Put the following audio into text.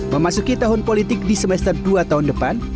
memasuki tahun politik di semester dua tahun depan